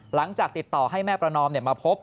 หลังจากติดต่อให้แม่ประนอมมาพบ